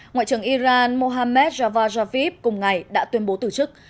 ngoại trưởng iran mohammad javad javid cùng ngày đã tuyên bố tử chức